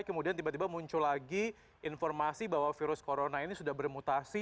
kemudian tiba tiba muncul lagi informasi bahwa virus corona ini sudah bermutasi